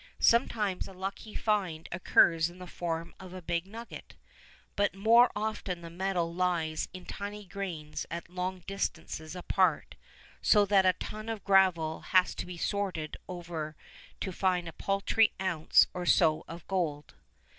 Sometimes a lucky find occurs in the form of a big nugget, but more often the metal lies in tiny grains at long distances apart, so that a ton of gravel has to be sorted over to find a paltry ounce or so of gold.